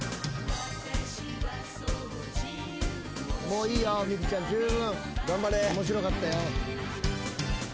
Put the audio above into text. もういいよミクちゃんじゅうぶん面白かったよ。